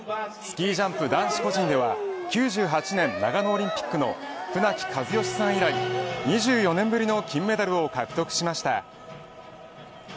スキージャンプ男子個人では９８年長野オリンピックの船木和喜さん以来２４年ぶりの金メダルを獲得しました。